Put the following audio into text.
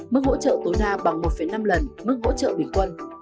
mức hỗ trợ tối đa bằng một năm lần mức hỗ trợ bình quân